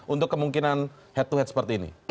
untuk kemungkinan head to head seperti ini